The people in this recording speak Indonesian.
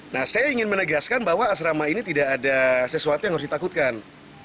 nah saya ingin menegaskan bahwa asrama ini tidak ada sesuatu yang harus ditakutkan